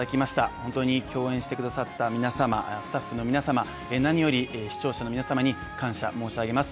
本当に共演してくださった皆様スタッフの皆様何より視聴者の皆様に感謝申し上げます。